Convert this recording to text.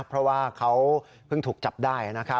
เพราะว่าเขาเพิ่งถูกจับได้